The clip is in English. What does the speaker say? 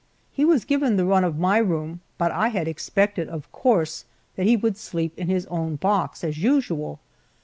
He was given the run of my room, but I had expected, of course, that he would sleep in his own box, as usual.